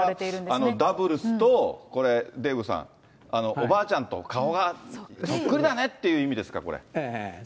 これはダブルスと、これ、デーブさん、おばあちゃんと顔がそっくりだねっていう意味ですかね。